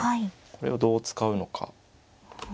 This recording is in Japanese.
これをどう使うのか。